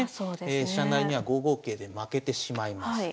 飛車成りには５五桂で負けてしまいます。